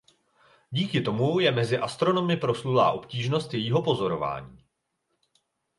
Díky tomu je mezi astronomy proslulá obtížnost jejího pozorování.